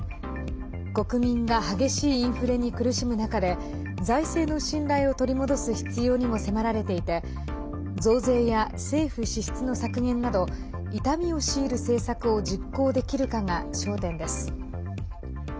国民が激しいインフレに苦しむ中で財政の信頼を取り戻す必要にも迫られていて増税や政府支出の削減など痛みを強いる政策を実行できるかが焦点です。